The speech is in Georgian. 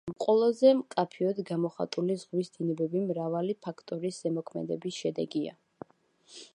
ყველაზე მკაფიოდ გამოხატული ზღვის დინებები მრავალი ფაქტორის ზემოქმედების შედეგია.